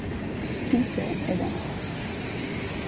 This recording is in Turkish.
Kimse edemez.